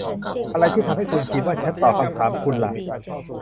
อะไรที่ทำให้คุณคิดว่าฉันตอบคำถามคุณล่ะ